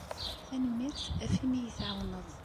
Tanemmirt ɣef imi ay iyi-tɛawneḍ.